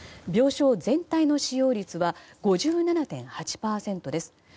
病床全体の使用率は５７．８％です。